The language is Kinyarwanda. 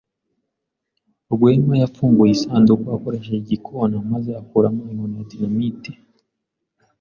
Rwema yafunguye isanduku akoresheje igikona maze akuramo inkoni ya dinamite.